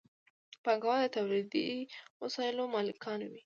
پانګوال د تولیدي وسایلو مالکان وي.